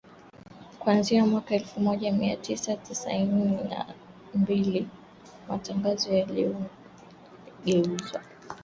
Kuanzia mwaka elfu moja mia tisa sitini na mbili matangazo yaligeuzwa